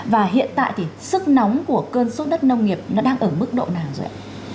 và hiện tại thì sức nóng của cơn sốt đất nông nghiệp nó đang ở mức độ nào rồi